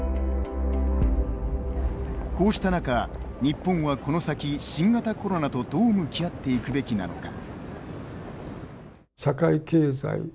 こうした中、日本はこの先、新型コロナとどう向き合っていくべきなのか。